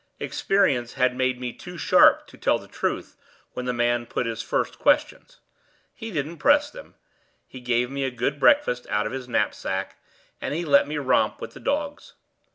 Experience had made me too sharp to tell the truth when the man put his first questions. He didn't press them; he gave me a good breakfast out of his knapsack, and he let me romp with the dogs.